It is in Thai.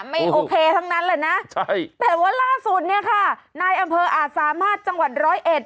ไม่โอเคทั้งนั้นแหละนะใช่แต่ว่าล่าสุดเนี่ยค่ะนายอำเภออาจสามารถจังหวัดร้อยเอ็ด